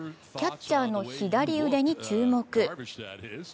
キャッチャーの左腕に注目。